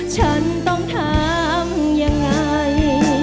ฉันต้องถามยังไง